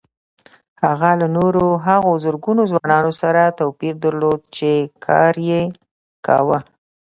هغه له نورو هغو زرګونه ځوانانو سره توپير درلود چې کار يې کاوه.